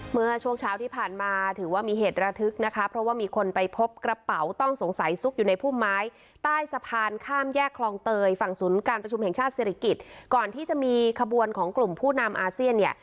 เมื่อช่วงเช้าที่ผ่านมาถือว่ามีเหตุระทึกนะคะเพราะว่ามีคนไปพบกระเป๋าต้องสงสัยซุกอยู่ในพุ่มไม้ใต้สะพานข้ามแยกคลองเตยฝั่งศูนย์การประชุมแห่งชาติศิริกิจก่อนที่จะมีขบวนของกลุ่มผู้นำอาเซียนเนี่ย